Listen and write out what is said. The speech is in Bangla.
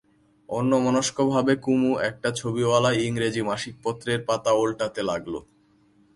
অন্যমনস্কভাবে কুমু একটা ছবিওয়ালা ইংরেজি মাসিক পত্রের পাতা ওলটাতে লাগল।